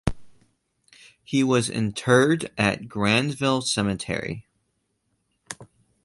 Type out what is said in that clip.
He was interred at Grandville Cemetery.